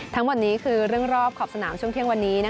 ทั้งหมดนี้คือเรื่องรอบขอบสนามช่วงเที่ยงวันนี้